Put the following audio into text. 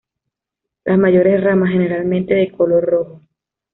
Las mayores ramas generalmente de color rojo.